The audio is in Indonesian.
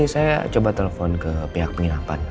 saya coba telepon ke pihak penginapan